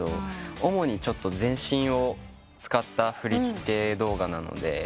主に全身を使った振り付け動画なので。